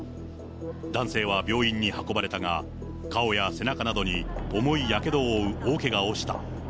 男性は病院に運ばれたが、顔や背中などに重いやけどを負う大けがをした。